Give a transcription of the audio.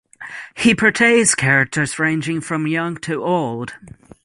He portrays characters ranging from young to old.